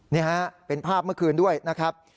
นี่ฮะเป็นภาพเมื่อคืนด้วยนะครับ